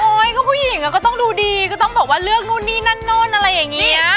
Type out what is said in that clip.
ก็ผู้หญิงก็ต้องดูดีก็ต้องบอกว่าเลือกนู่นนี่นั่นนู่นอะไรอย่างนี้